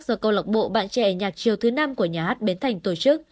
do câu lạc bộ bạn trẻ nhạc chiều thứ năm của nhà hát bến thành tổ chức